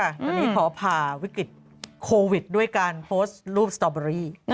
ตอนนี้ขอผ่าวิกฤตโควิดด้วยการโพสต์รูปสตอเบอรี่